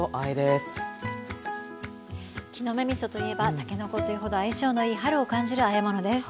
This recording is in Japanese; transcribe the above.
木の芽みそといえばたけのこというほど相性のいい春を感じるあえ物です。